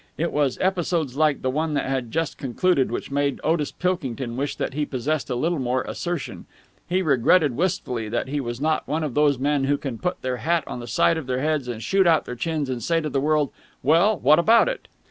It was episodes like the one that had just concluded which made Otis Pilkington wish that he possessed a little more assertion. He regretted wistfully that he was not one of those men who can put their hat on the side of their heads and shoot out their chins and say to the world "Well, what about it!"